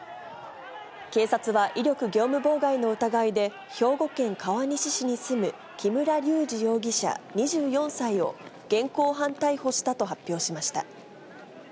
警察は威力業務妨害の疑いで、兵庫県川西市に住む木村隆二容疑者２４歳を現行犯逮捕したと発表しました。